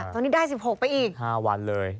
ตอนนี้ได้๑๖ไปอีก๕วันเลย